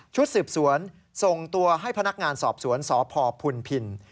ชุดสืบสวนส่งตัวให้พนักงานสอบสวนสพพุนพิน